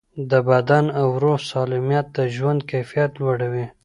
د بدن او روح سالمیت د ژوند کیفیت لوړوي.